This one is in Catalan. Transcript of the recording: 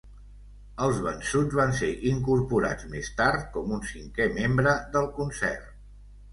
Els vençuts van ser incorporats més tard com un cinquè membre del concert.